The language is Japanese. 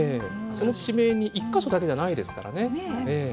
その地名に１か所だけじゃないですからねええ。